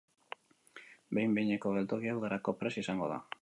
Behin behineko geltokia udarako prest izango da.